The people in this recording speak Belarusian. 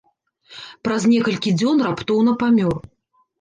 Праз некалькі дзён раптоўна памёр.